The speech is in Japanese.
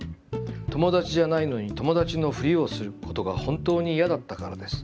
『友達じゃないのに友達のふりをする』ことが本当にイヤだったからです。